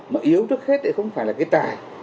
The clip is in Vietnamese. mà yếu trước hết thì không phải là cái tài